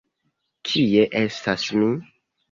Kie estas mi?